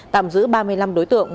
tạm giữ ba mươi năm đối tượng